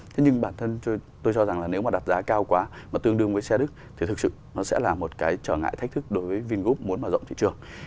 thế nhưng bản thân tôi cho rằng là nếu mà đặt giá cao quá mà tương đương với xe đức thì thực sự nó sẽ là một cái trở ngại thách thức đối với vingroup muốn mở rộng thị trường